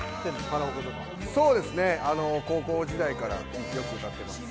カラオケとかそうですね高校時代からよく歌ってます